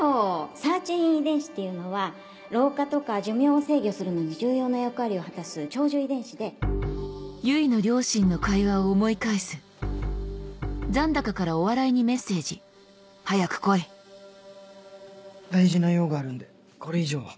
サーチュイン遺伝子っていうのは老化とか寿命を制御するのに重要な役割を果たす長寿遺伝子で大事な用があるんでこれ以上は。